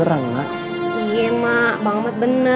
eh eh ma ikut